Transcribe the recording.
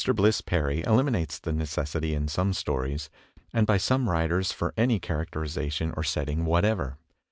Bliss Perry eliminates the necessity in some stories, and by some writers for any characterization or setting whatever.